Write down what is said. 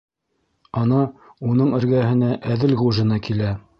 Ана, уның эргәһенә Әҙелғужина килә.